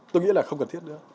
tôi nghĩ là không cần thiết nữa